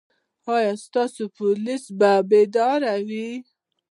ایا ستاسو پولیس به بیدار وي؟